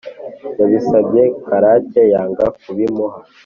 yabisabye karake yanga kubimuha